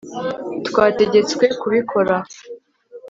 twategetswe kubikora